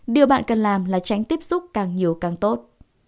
điều bạn cần làm là tránh tiếp xúc càng nhiều càng tốt